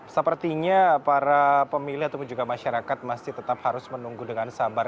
sepertinya para pemilih ataupun juga masyarakat masih tetap harus menunggu dengan sabar